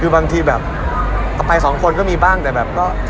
บางทีแบบถ้าไปสองคนก็มีบ้างแต่แบบ